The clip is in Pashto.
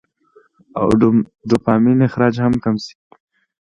او ډوپامين اخراج هم کم شي -